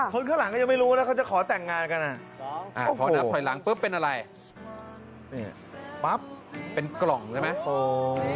คนข้างหลังก็ยังไม่รู้นะเขาจะขอแต่งงานกันพอนับถอยหลังปุ๊บเป็นอะไรนี่ปั๊บเป็นกล่องใช่ไหม